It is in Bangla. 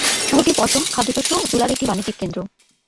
শহরটি পশম, খাদ্যশস্য ও তুলার একটি বাণিজ্যিক কেন্দ্র।